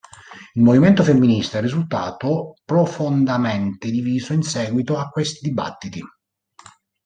Il movimento femminista è risultato profondamente diviso in seguito a questi dibattiti.